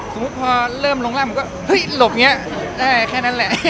สมมุติคงพอเริ่มลงล่างผมก็หลบแค่นั้นแหละ